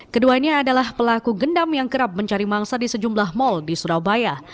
keduanya adalah pelaku gendam yang kerap mencari mangsa di sejumlah mal di surabaya